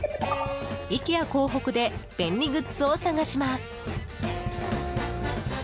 港北で便利グッズを探します。